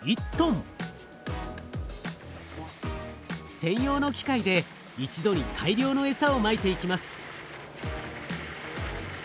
専用の機械で一度に大量のエサをまいていきます。